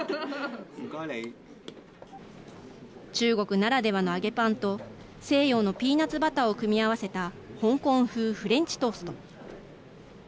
中国ならではの揚げパンと西洋のピーナツバターを組み合わせた香港風フレンチトースト。